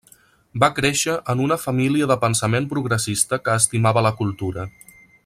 Va créixer en una família de pensament progressista que estimava la cultura.